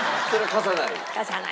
貸さない。